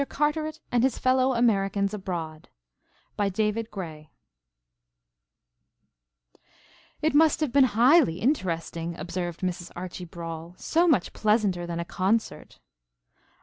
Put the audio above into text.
CARTERET AND HIS FELLOW AMERICANS ABROAD BY DAVID GRAY "It must have been highly interesting," observed Mrs. Archie Brawle; "so much pleasanter than a concert."